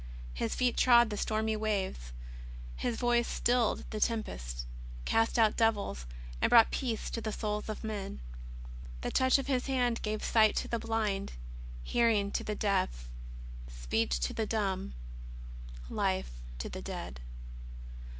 His feet trod the stormy waves. His voice stilled the tempests, cast out devils, and brought peace to the souls of men. The touch of His hand gave sight to the blind, hearing to the deaf, speech to the dumb, life to the dead.